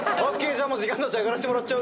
じゃあもう時間だし上がらしてもらっちゃおうか。